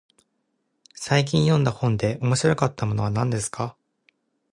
最近読んだ本で面白かったものは何ですか。